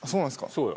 そうよ。